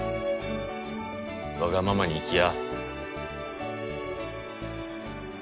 わがままに生きや。